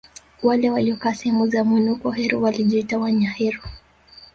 Wale waliokaa sehemu za mwinuko Heru walijiita Wanyaheru